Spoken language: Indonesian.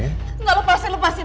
nggak lepasin lepasin